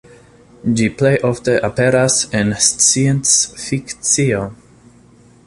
Ĝi plej ofte aperas en scienc-fikcio.